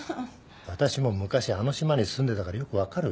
私も昔あの島に住んでたからよく分かる。